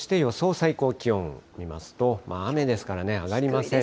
最高気温見ますと、雨ですからね、上がりません。